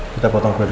kita potong dulu ya